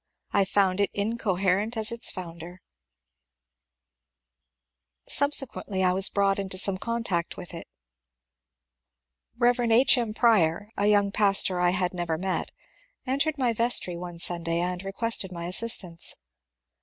I found it incoherent as its foimder. A HERESY TRIAL 346 Subsequently I was brought into some contact with it. Rev. H. M. Prior, a young pastor I had never met, entered my vestry one Sunday and requested my assistance.